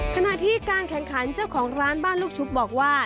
ขณะที่การแข่งขันเจ้าของร้านบ้านลูกชุบบอกว่า